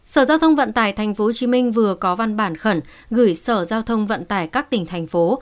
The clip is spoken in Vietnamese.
sở giao thông vận tải tp hcm vừa có văn bản khẩn gửi sở giao thông vận tải các tỉnh thành phố